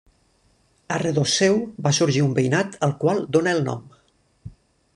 A redós seu va sorgir un veïnat al qual dóna el nom.